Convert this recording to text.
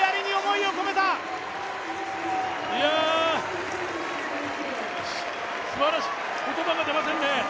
いや、すばらしい、言葉が出ませんね。